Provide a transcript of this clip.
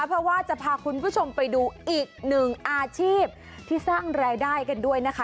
เพราะว่าจะพาคุณผู้ชมไปดูอีกหนึ่งอาชีพที่สร้างรายได้กันด้วยนะคะ